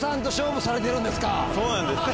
そうなんです。